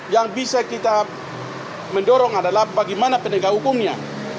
yang bisa kita mendorong adalah bagaimana penegak hukumnya